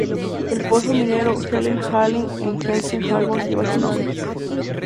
El pozo minero Helene-Amalie en Essen-Altendorf lleva su nombre.